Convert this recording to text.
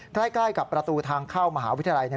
ใกล้กับประตูทางเข้ามหาวิทยาลัยเนี่ย